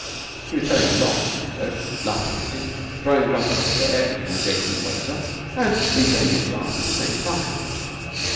He was telling a long anecdote, laughing at it, throwing a crust of bread at an adjacent waiter, and refilling his glass at the same time.